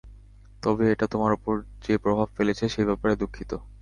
তবে, এটা তোমার উপর যে প্রভাব ফেলেছে সে ব্যাপারে দুঃখিত!